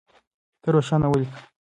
ته روښانه وليکه.